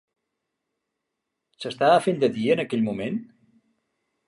S'estava fent de dia en aquell moment?